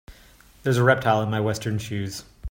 There is a reptile in my western shoes.